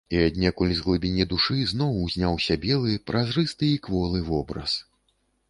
І аднекуль з глыбіні душы зноў узняўся белы, празрысты і кволы вобраз.